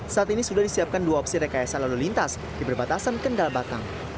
saat ini sudah disiapkan dua opsi rekayasa lalu lintas di perbatasan kendal batang